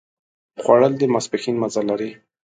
خوړل د ماسپښين مزه لري